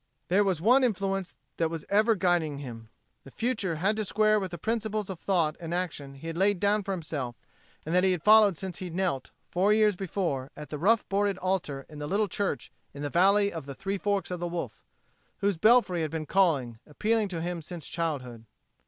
There was one influence that was ever guiding him. The future had to square to the principles of thought and action he had laid down for himself and that he had followed since he knelt, four years before, at a rough boarded altar in a little church in the "Valley of the Three Forks o' the Wolf," whose belfry had been calling, appealing to him since childhood.